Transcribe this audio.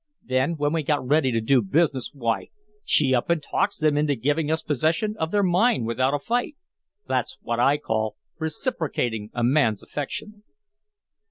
Then, when we got ready to do business, why, she up and talks them into giving us possession of their mine without a fight. That's what I call reciprocating a man's affection."